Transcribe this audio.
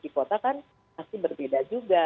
di kota kan pasti berbeda juga